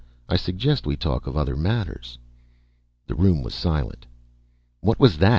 "I suggest we talk of other matters." The room was silent. "What was that?"